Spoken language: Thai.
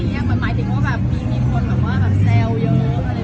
แต่คือแบบเขาก็แบบมาเซอร์ไฟล์ได้ยังไงก็ไม่รู้